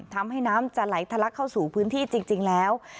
น้ำจะไหลทะลักเข้าสู่พื้นที่จริงแล้ว